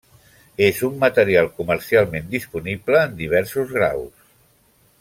És un material comercialment disponible en diversos graus.